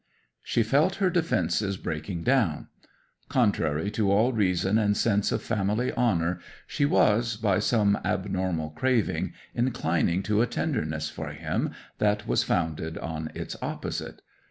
'She felt her defences breaking down. Contrary to all reason and sense of family honour she was, by some abnormal craving, inclining to a tenderness for him that was founded on its opposite.